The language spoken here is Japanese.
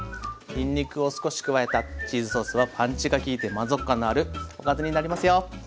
にんにくを少し加えたチーズソースはパンチが利いて満足感のあるおかずになりますよ！